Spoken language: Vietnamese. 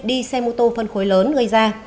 đi xe mô tô phân khối lớn gây ra